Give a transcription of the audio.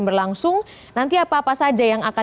berlangsung nanti apa apa saja yang akan